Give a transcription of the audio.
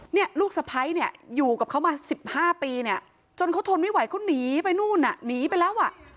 นี่ลูกสะพ้ายอยู่กับเขามา๑๕ปีจนเขาทนไม่ไหวเขาหนีไปนู่นหนีไปแล้ว